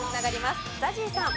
ＺＡＺＹさん。